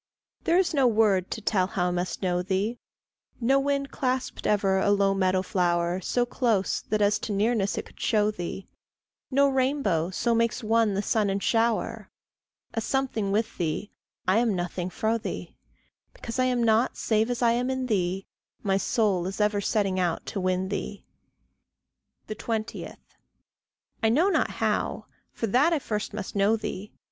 There is no word to tell how I must know thee; No wind clasped ever a low meadow flower So close that as to nearness it could show thee; No rainbow so makes one the sun and shower. A something with thee, I am a nothing fro' thee. Because I am not save as I am in thee, My soul is ever setting out to win thee. 20. I know not how for that I first must know thee.